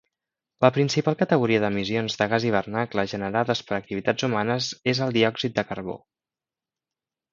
La principal categoria d'emissions de gas hivernacle generades per activitats humanes és el diòxid de carbó.